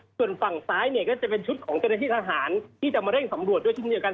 ส่วนฝั่งซ้ายเนี่ยก็จะเป็นชุดของเจราชีสาหารที่จะมาเร่งสำรวจด้วยที่มีกัน